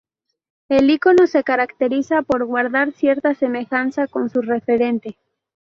El ícono se caracteriza por guardar cierta semejanza con su referente.